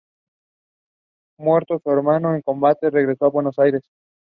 Muerto su hermano en combate regresó a Buenos Aires.